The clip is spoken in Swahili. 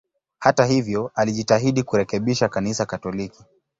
Hata hivyo, alijitahidi kurekebisha Kanisa Katoliki.